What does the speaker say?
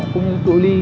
cũng như đội ly